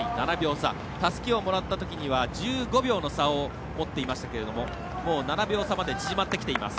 たすきをもらったときには１５秒の差を持っていましたけれどももう７秒差まで縮まってきています。